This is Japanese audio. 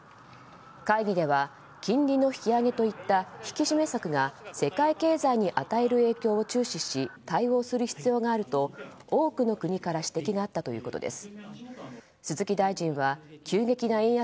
会議では金利の引き上げといった引き締め策が世界経済に与える影響を注視し対応する必要があると多くの国から指摘があったということです。